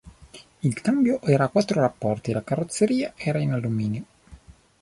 Il cambio era a quattro rapporti e la carrozzeria era in alluminio.